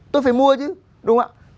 tôi phải mua chứ đúng không ạ